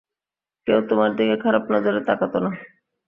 কেউ তোমার দিকে খারাপ নজরে তাকাতো না।